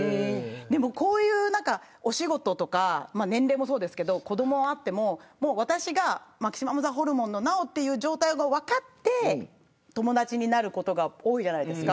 こういうお仕事とか年齢もそうですが、子どもがいても私がマキシマムザホルモンのナヲという状態が分かって友達になることが多いじゃないですか。